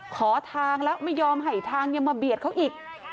ขอทางแล้วไม่ยอมให้ทางยังมาเบียดเขาอีก